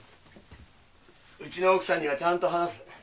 うちの奥さんにはちゃんと話す。